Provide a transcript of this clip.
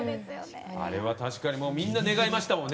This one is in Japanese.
あれは確かにみんな願いましたからね。